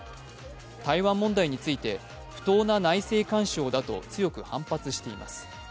台湾問題について、不当な内政干渉だと強く反発しています。